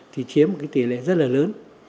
thì chiếm một tỷ lệ rất là lớn